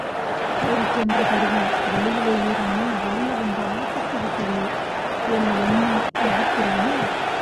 தேடிச்சென்ற கருவி வழியிலேயே தானே வலிய வந்து அகப்பட்டுவிட்டதே என எண்ணி நகைக்கிறானோ?